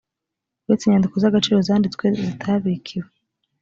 uretse inyandiko z agaciro zanditswe zitabikiwe